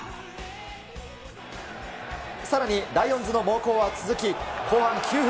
さらにライオンズの猛攻は続き、後半９分。